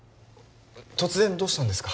突然どうしたんですか？